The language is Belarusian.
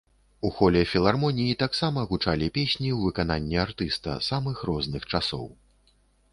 У холе філармоніі таксама гучалі песні ў выкананні артыста самых розных часоў.